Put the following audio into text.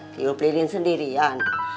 tiup lilin sendirian